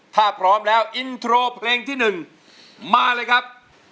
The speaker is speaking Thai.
ถ้าพร้อมแล้วอินโทรเพลงที่๑มาเลยครับ